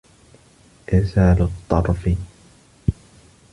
إرْسَالُ الطَّرْفِ